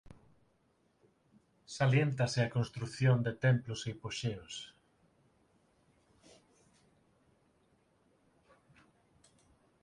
Saliéntase a construción de templos e hipoxeos.